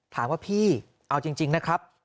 ถามว่าพี่เอาจริงนะครับ